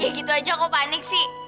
kayak gitu aja kok panik sih